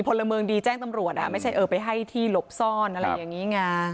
พลเมืองดีแจ้งตำรวจไม่ใช่เออไปให้ที่หลบซ่อนอะไรอย่างนี้ไง